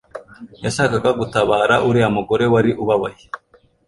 Yashakaga gutabara uriya mugore wari ubabaye